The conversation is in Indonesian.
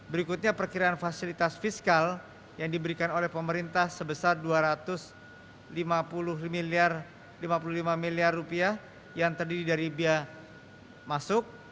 berikutnya perkiraan fasilitas fiskal yang diberikan oleh pemerintah sebesar rp dua ratus lima puluh lima miliar yang terdiri dari biaya masuk